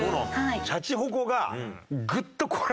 シャチホコがグッとこらえて。